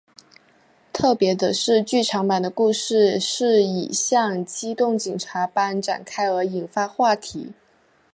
特别的是剧场版的故事是以像机动警察般展开而引发话题。